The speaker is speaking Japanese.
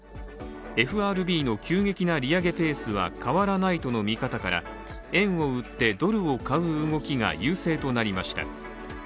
ＦＲＢの急激な利上げペースは変わらないとの見方から、円を売ってドルを買う動きが優勢となりました